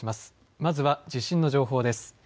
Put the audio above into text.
まずは地震の情報です。